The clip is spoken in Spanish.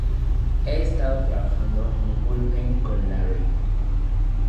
He estado trabajando en el bullpen con Larry.